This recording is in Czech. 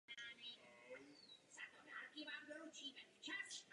To bylo nejvíce z českých zoo.